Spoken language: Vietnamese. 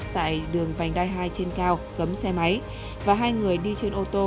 tại đường vành đai hai trên cao cấm xe máy và hai người đi trên ô tô